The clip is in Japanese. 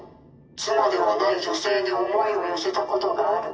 妻ではない女性に想いを寄せたコトがある。